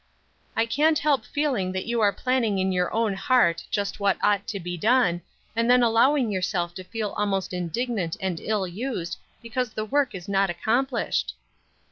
I can't help feeling that you are planning in your own heart just what ought to be done, and then allowing yourself to feel almost indignant and ill used because the work is not accomplished."